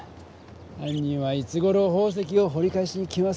はん人はいつごろ宝石をほり返しに来ますかね？